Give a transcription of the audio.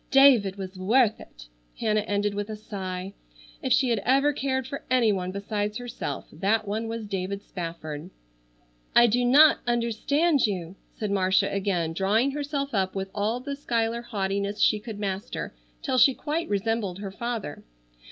David was worth it." Hannah ended with a sigh. If she had ever cared for any one besides herself that one was David Spafford. "I do not understand you," said Marcia again, drawing herself up with all the Schuyler haughtiness she could master, till she quite resembled her father.